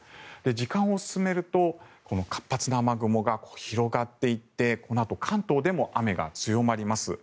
時間を進めると活発な雨雲が広がっていってこのあと関東でも雨が強まります。